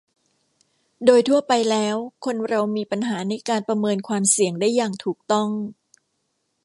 โดยทั่วไปแล้วคนเรามีปัญหาในการประเมินความเสี่ยงได้อย่างถูกต้อง